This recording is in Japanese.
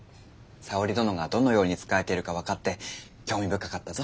沙織殿がどのように仕えているか分かって興味深かったぞ。